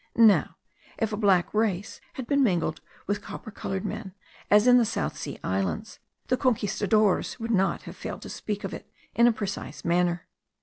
Now, if a black race had been mingled with copper colored men, as in the South sea Islands, the conquistadores would not have failed to speak of it in a precise manner.